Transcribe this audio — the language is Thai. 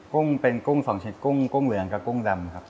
กุ้งเป็นกุ้ง๒ชนิดกุ้งกุ้งเหลืองกับกุ้งดำครับ